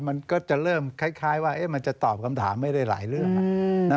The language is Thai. มันก็จะเริ่มคล้ายว่ามันจะตอบคำถามไม่ได้หลายเรื่อง